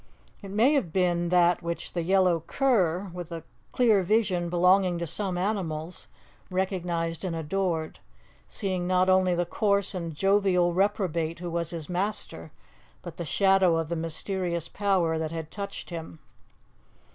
It may have been that which the yellow cur, with the clear vision belonging to some animals, recognized and adored; seeing not only the coarse and jovial reprobate who was his master, but the shadow of the mysterious power that had touched him.